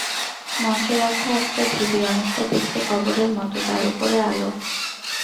মঞ্চে রাখা একটা ঢিবি, অনেকটা দেখতে কবরের মতো তার ওপরে আলো।